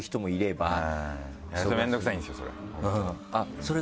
面倒くさいんですよそれ。